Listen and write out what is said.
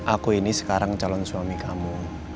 aku ini sekarang calon suami kamu